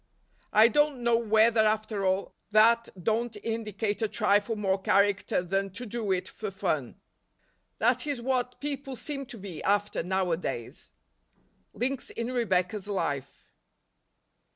I doir t know whether, after all, that don't indicate a trifle more character than to do it for fun. That is what people seem to be after nowadays. Links in Rebecca's Life.